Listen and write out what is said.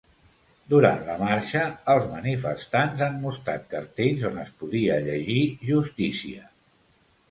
Durant la marxa els manifestants han mostrat cartells on es podia llegir ‘justícia’.